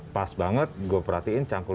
pas banget gue perhatiin cangkul